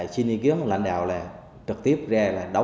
xin ý kiến lãnh đạo trực tiếp ra là